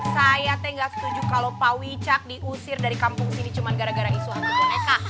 saya nggak setuju kalau pak wicak diusir dari kampung sini cuma gara gara isu anak boneka